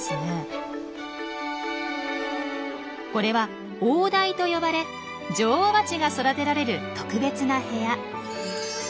これは「王台」と呼ばれ女王バチが育てられる特別な部屋。